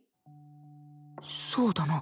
そうだな。